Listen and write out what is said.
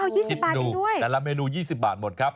๒๐นูแต่ละเมนู๒๐บาทหมดครับ